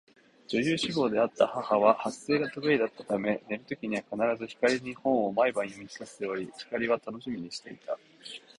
女優志望であった母は発声が得意だったため寝る時には必ず光に本を毎晩読み聞かせており、光は楽しみにしていた